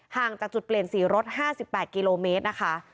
ห่างจากจุดเปลี่ยนสีรถห้าสิบแปดกิโลเมตรนะคะ